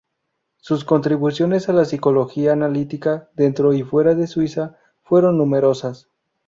Sus contribuciones a la psicología analítica, dentro y fuera de Suiza, fueron numerosas.